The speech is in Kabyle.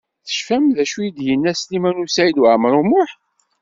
Tecfam d acu i d-yenna Sliman U Saɛid Waɛmaṛ U Muḥ?